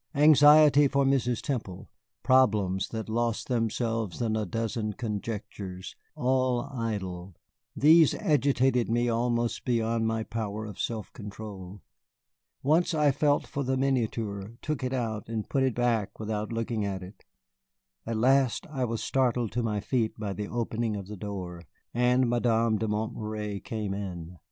Anxiety for Mrs. Temple, problems that lost themselves in a dozen conjectures, all idle these agitated me almost beyond my power of self control. Once I felt for the miniature, took it out, and put it back without looking at it. At last I was startled to my feet by the opening of the door, and Madame de Montméry came in.